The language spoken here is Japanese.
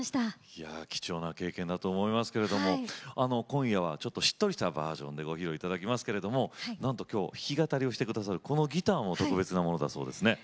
いや貴重な経験だと思いますけれどもあの今夜はちょっとしっとりしたバージョンでご披露いただきますけれどもなんと今日弾き語りをしてくださるこのギターも特別なものだそうですね。